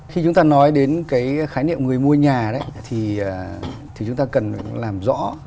khi chúng ta nói đến cái khái niệm người mua nhà đấy thì chúng ta cần làm rõ